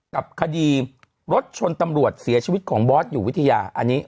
กับคดีรถชนตำรวจเสียชีวิตของบอสอยู่วิทยาอันนี้